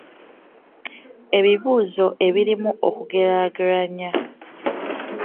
Ebibuuzo ebirimu okugeraageranya.